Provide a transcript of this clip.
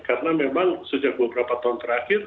karena memang sejak beberapa tahun terakhir